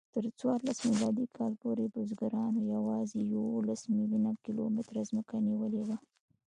تر څوارلس میلادي کال پورې بزګرانو یواځې یوولس میلیونه کیلومتره ځمکه نیولې وه.